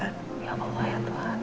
ya allah ya tuhan